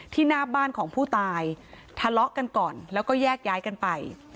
หน้าบ้านของผู้ตายทะเลาะกันก่อนแล้วก็แยกย้ายกันไป